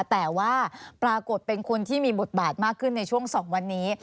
แต่ว่าปรากฏเป็นคนที่มีบทบาทมากขึ้นในช่วง๒วันนี้